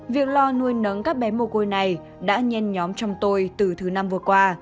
việc lo nuôi nấng các bé mồ côi này đã nhen nhóm trong tôi từ thứ năm vừa qua